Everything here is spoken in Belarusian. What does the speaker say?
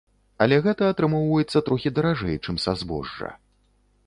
Але гэта атрымоўваецца трохі даражэй чым са збожжа.